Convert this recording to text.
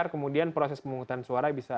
kemudian proses pemungutan suara bisa